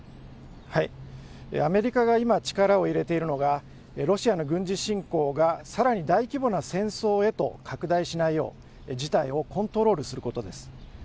アメリカが今力を入れているのがロシアの軍事侵攻がさらに大規模な戦争へと拡大しないよう事態をコントロールすることです。